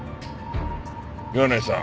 岩内さん。